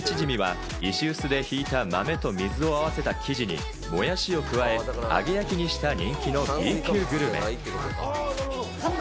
枝豆チヂミは石臼でひいた豆と水を合わせた生地にもやしを加え、揚げ焼きにした人気のＢ級グルメ。